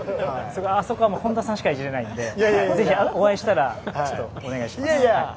あそこは本田さんしかいじれないのでぜひ、お会いしたらお願いします。